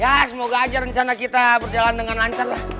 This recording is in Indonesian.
ya semoga aja rencana kita berjalan dengan lancar lah